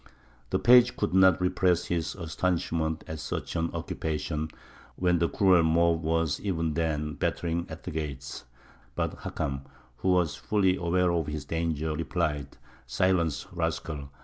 The page could not repress his astonishment at such an occupation, when the cruel mob was even then battering at the gates; but Hakam, who was fully aware of his danger, replied: "Silence, rascal!